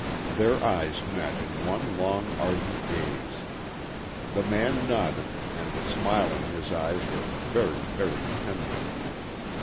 Their eyes met in one long ardent gaze. The man nodded, and the smile in his eyes was very, very tender.